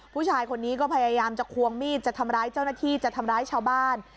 ผู้ชายคนนี้ก็พยายามจะควงมีดจะทำร้ายเจ้าหน้าที่จะทำร้ายชาวบ้าน